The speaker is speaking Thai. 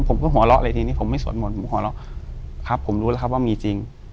ผมก็หัวเราะเลยทีนี้ผมไม่สวดมนต์ผมหัวเราะครับผมรู้แล้วครับว่ามีจริง